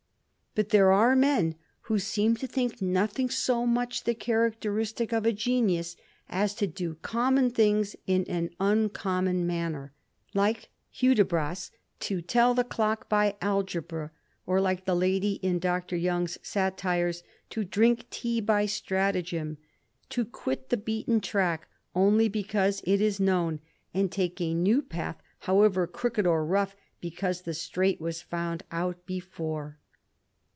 But there are men who seem to think nothing so much the characteristick of a genius, as to do common things in an uncommon manner ; like Hudibras, to tell the clock by algebra ; or like the lady in Dr. Young's satires, to drink tea by stratagem; to quit the beaten track only because it is known, and take a new path, however crooked or rough, because the straight was found out before.